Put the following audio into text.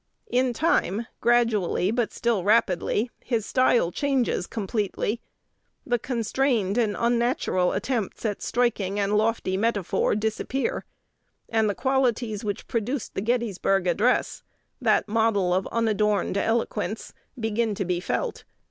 In time, gradually, but still rapidly, his style changes completely: the constrained and unnatural attempts at striking and lofty metaphor disappear, and the qualities which produced the Gettysburg address that model of unadorned eloquence begin to be felt.